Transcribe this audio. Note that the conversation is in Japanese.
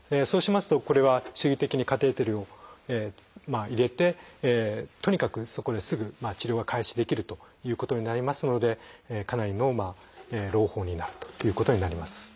そうしますとこれは手技的にカテーテルを入れてとにかくそこですぐ治療が開始できるということになりますのでかなりの朗報になるということになります。